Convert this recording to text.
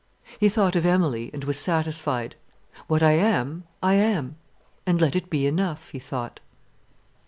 He thought of Emilie, and was satisfied. "What I am, I am; and let it be enough," he thought.